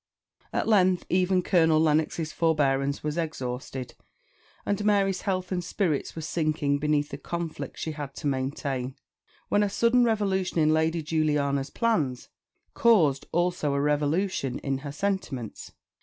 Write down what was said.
At length even Colonel Lennox's forbearance was exhausted, and Mary's health and spirits were sinking beneath the conflict she had to maintain, when a sudden revolution in Lady Juliana's plans caused also a revolution in her sentiments.